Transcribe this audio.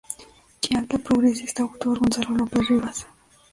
Chiantla Progresista autor Gonzalo López Rivas